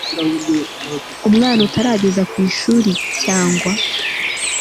umwana utarageza ku ishuri cyangwa